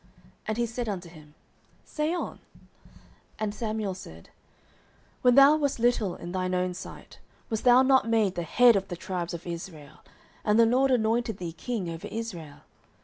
And he said unto him, Say on. 09:015:017 And Samuel said, When thou wast little in thine own sight, wast thou not made the head of the tribes of Israel, and the LORD anointed thee king over Israel?